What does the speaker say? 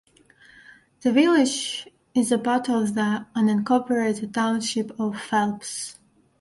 The village is part of the unincorporated township of Phelps.